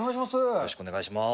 よろしくお願いします。